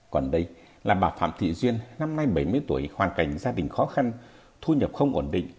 còn đây là bà phạm thị duyên năm nay bảy mươi tuổi hoàn cảnh gia đình khó khăn thu nhập không ổn định